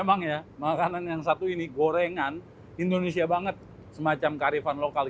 emang ya makanan yang satu ini gorengan indonesia banget semacam karifan lokal